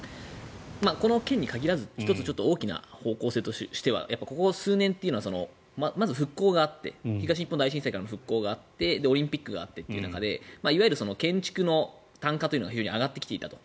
この件に限らず１つ大きな方向性としてはここ数年というのはまず復興があって東日本大震災からの復興があってオリンピックがあってという中でいわゆる建築の単価が上がってきていたと。